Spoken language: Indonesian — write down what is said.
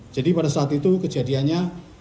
jadi pada saat itu kejadiannya